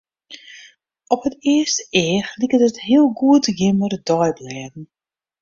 Op it earste each liket it heel goed te gean mei de deiblêden.